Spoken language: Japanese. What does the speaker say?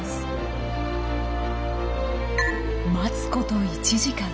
待つこと１時間。